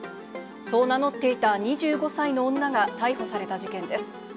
そう名乗っていた２５歳の女が逮捕された事件です。